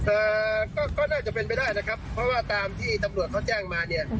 เอ่อก็ก็น่าจะเป็นไปได้นะครับเพราะว่าตามที่ตำรวจเขาแจ้งมาเนี่ย